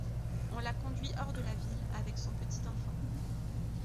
On la conduit hors de la ville, avec son petit enfant.